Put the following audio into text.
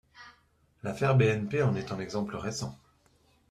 L’affaire BNP en est un exemple récent.